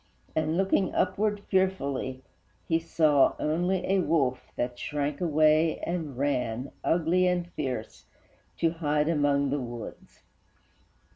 And, looking upward fearfully, he saw Only a wolf that shrank away and ran, Ugly and fierce, to hide among the woods.